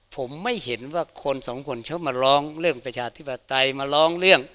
ผมไม่เห็นว่าคนสองคน